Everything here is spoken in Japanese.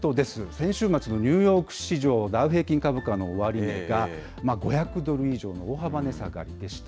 先週末のニューヨーク市場、ダウ平均株価の終値が５００ドル以上の大幅値下がりでした。